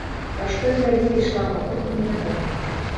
Пра што менавіта ішла гаворка, невядома.